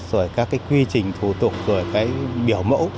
rồi các cái quy trình thủ tục rồi cái biểu mẫu